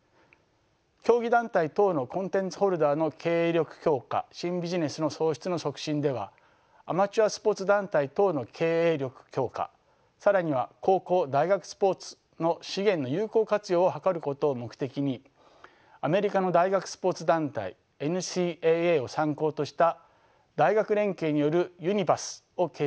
競技団体等のコンテンツホルダーの経営力強化新ビジネスの創出の促進ではアマチュアスポーツ団体等の経営力強化更には高校大学スポーツの資源の有効活用を図ることを目的にアメリカの大学スポーツ団体ＮＣＡＡを参考とした大学連携によるＵＮＩＶＡＳを形成しました。